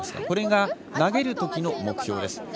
これが投げる時の目標です。